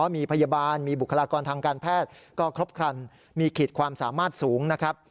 มีพยาบาลมีบุคลากรทางการแพทย์ก็ครบครันมีขีดความสามารถสูงนะครับ